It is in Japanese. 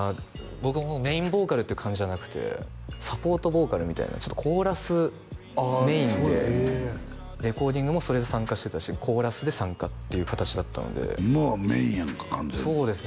僕もうメインボーカルっていう感じじゃなくてサポートボーカルみたいなちょっとコーラスメインでレコーディングもそれで参加してたしコーラスで参加っていう形だったので今はメインやんか完全にそうですね